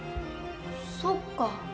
そっか。